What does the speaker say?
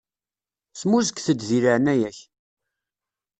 Smuzget-d di leɛnaya-k.